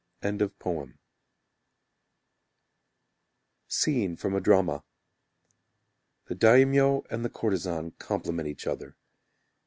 Scene from a Drama The daimyo and the courtesan Compliment each other.